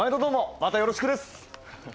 またよろしくです！